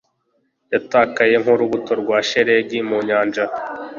yatakaye nk'urubura rwa shelegi mu nyanja